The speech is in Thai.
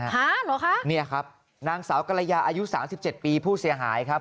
หาเหรอคะเนี่ยครับนางสาวกรยาอายุ๓๗ปีผู้เสียหายครับ